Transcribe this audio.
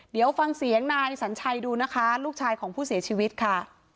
เดี๋ยวฟังเสียงนายสัญชัยดูนะคะลูกชายของผู้เสียชีวิตค่ะ